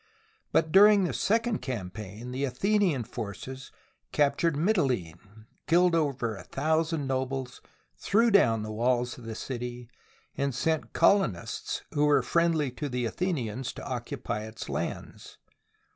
But during the second campaign the Athenian forces captured Mitylene, killed over a thousand nobles, threw down the walls of the city, and sent colonists who were friendly to the Athenians to occupy its lands.